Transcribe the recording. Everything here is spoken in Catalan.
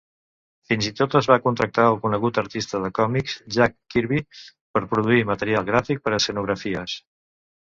Fins i tot es va contractar el conegut artista de còmics Jack Kirby per produir material gràfic per a escenografies.